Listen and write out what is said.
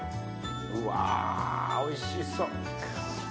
うわおいしそう！